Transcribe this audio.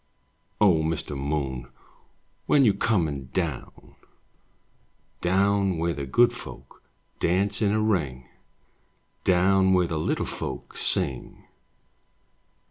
O Mr. Moon, When you comin* down? Down where the Good Folk Dance in a ring, Down where the Little Folk Sing?